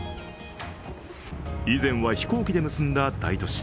以前は飛行機で結んだ大都市